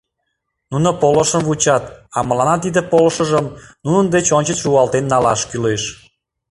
Нуно полышым вучат, а мыланна тиде полышыжым нунын деч ончыч руалтен налаш кӱлеш.